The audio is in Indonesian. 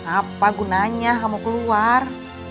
apa gunanya kamu keluar